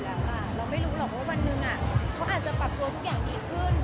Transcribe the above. เราไม่รู้หรอกว่าวันหนึ่งเขาอาจจะปรับตัวทุกอย่างดีขึ้น